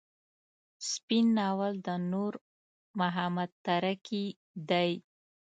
سپين ناول د نور محمد تره کي دی.